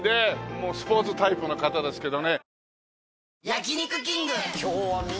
もうスポーツタイプの方ですけどね。